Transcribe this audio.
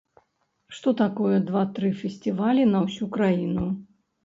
Што такое два-тры фестывалі на ўсю краіну?